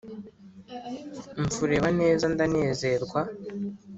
umfureba neza ndanezerwa